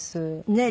ねえ。